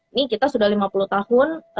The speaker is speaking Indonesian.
ini kita sudah lima puluh tahun